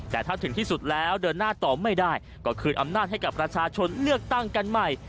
แต่ถ้าถึงที่สุดแล้วเดินหน้าต่อไม่ได้ก็คืนอำนาจให้กับประชาชนเลือกตั้งกันใหม่